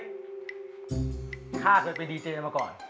เฮ้ยข้าเคยเป็นดีเจย์มาก่อน